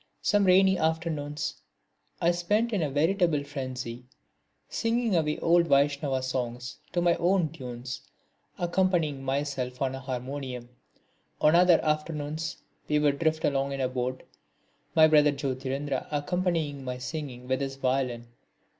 Some rainy afternoons I spent in a veritable frenzy, singing away old Vaishnava songs to my own tunes, accompanying myself on a harmonium. On other afternoons, we would drift along in a boat, my brother Jyotirindra accompanying my singing with his violin.